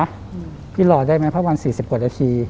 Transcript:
แบบพิธรขาไว้ประมาณ๔๐กว่าแถวนี้